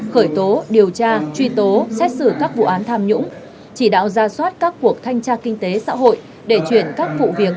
khởi tố điều tra truy tố xét xử các vụ án tham nhũng chỉ đạo ra soát các cuộc thanh tra kinh tế xã hội để chuyển các vụ việc